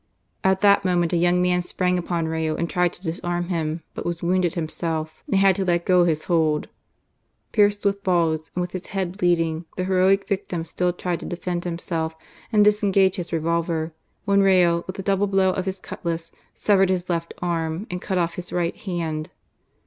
At that moment, a young man sprang upon Raj'o, and tried to disarm him, but was wounded himself. and had to let go his hold. Pierced with balls, and with his head bleeding, the heroic victim still tried to defend himself and disengage his revolver, when Rayo, with a double blow of his cutlass, severed his left arm, and cut off his right hand.